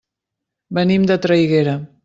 Venim de Traiguera.